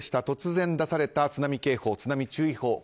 突然出された津波警報、津波注意報。